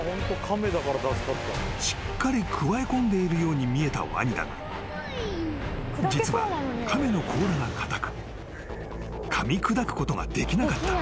［しっかりくわえこんでいるように見えたワニだが実は亀の甲羅が硬くかみ砕くことができなかった］